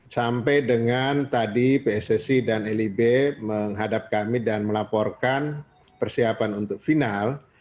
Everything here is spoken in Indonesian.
sampai dengan tadi pssi dan lib menghadap kami dan melaporkan persiapan untuk final